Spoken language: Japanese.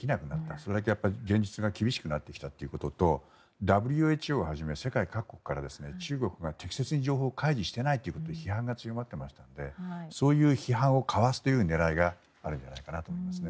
それだけ現実が厳しくなってきたということとＷＨＯをはじめ世界各国から中国が適切に情報を開示していないという批判が強まっていますのでそういう批判をかわす狙いがあるんじゃないかなと思いますね。